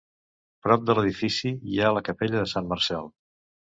Prop de l'edifici hi ha la capella de Sant Marçal.